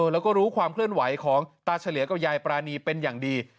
แล้วก็รู้ความเคลื่อนไหวของตาเฉลียกับยายปรานีเป็นอย่างดี